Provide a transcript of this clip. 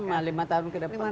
enggak lama lima tahun ke depan